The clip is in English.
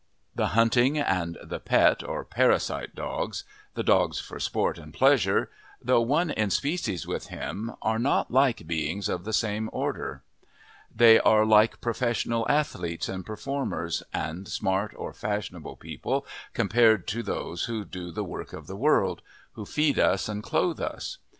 The hunting and the pet, or parasite, dogs the "dogs for sport and pleasure" though one in species with him are not like beings of the same order; they are like professional athletes and performers, and smart or fashionable people compared to those who do the work of the world who feed us and clothe us.